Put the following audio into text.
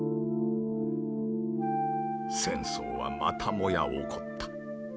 「戦争はまたもや起こった。